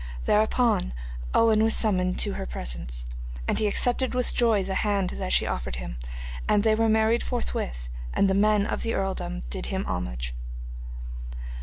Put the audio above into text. Thereupon Owen was summoned to her presence, and he accepted with joy the hand that she offered him, and they were married forthwith, and the men of the earldom did him homage.